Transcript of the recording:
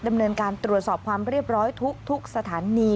ดำเนินการตรวจสอบความเรียบร้อยทุกสถานี